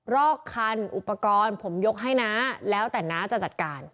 รอกคันอุปกรณ์ผมยกให้น้าแล้วแต่น้าจะจัดการ